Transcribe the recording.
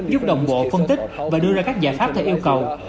giúp đồng bộ phân tích và đưa ra các giải pháp theo yêu cầu